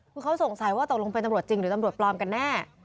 คือเขาสงสัยว่าตกลงเป็นตำรวจจริงหรือตำรวจปลอมกันแน่